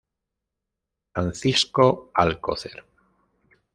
Francisco Alcocer.